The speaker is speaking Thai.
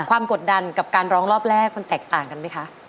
กดดันกับการร้องรอบแรกมันแตกต่างกันไหมคะ